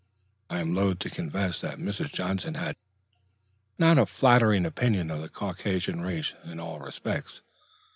I am loath to confess that Mrs. Johnson had not a flattering opinion of the Caucasian race in all respects.